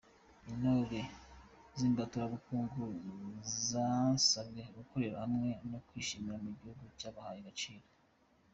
Intore z’Imbaturabukungu zasabwe gukorera hamwe no kwishimira ko igihugu cyabahaye agaciro.